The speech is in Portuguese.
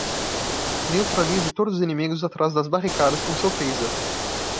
Neutralize todos os inimigos atrás das barricadas com o seu taser.